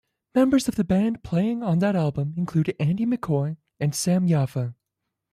Members of the band playing on that album include Andy McCoy and Sam Yaffa.